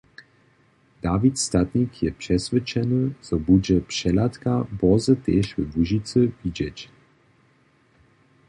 Dawid Statnik je přeswědčeny, zo budźe přehladka bórze tež we Łužicy widźeć.